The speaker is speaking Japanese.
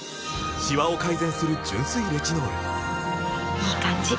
いい感じ！